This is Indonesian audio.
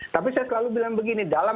tapi saya selalu bilang begini dalam